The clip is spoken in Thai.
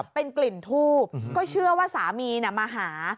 เป็นกลิ่นทูบก็เชื่อว่าสามีมาหา